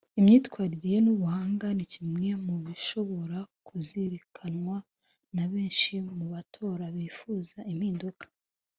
Imyitwarire ye n’ubuhanga ni kimwe mu bishobora kuzirikanwa na benshi mu batora bifuza impinduka